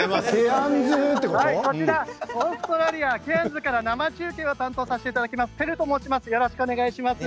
こちら、オーストラリアケアンズから生中継を担当させていただきますテルと申します。